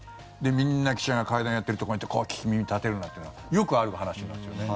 みんな記者が会談やってるところに行って聞き耳立てるなんていうのはよくある話なんですよね。